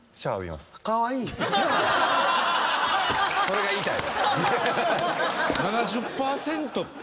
それが言いたい。